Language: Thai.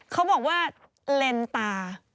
เขาบอกว่าเลนตา